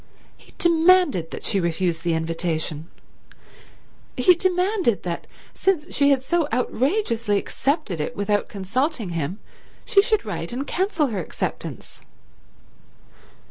He demanded that she refuse the invitation. He demanded that, since she had so outrageously accepted it without consulting him, she should write and cancel her acceptance.